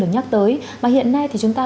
được nhắc tới mà hiện nay thì chúng ta